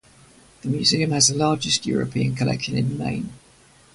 The Museum has the largest European collection in Maine.